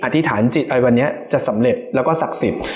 ธิษฐานจิตอะไรวันนี้จะสำเร็จแล้วก็ศักดิ์สิทธิ์